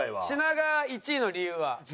品川１位の理由は？